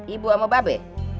ibu sama ba be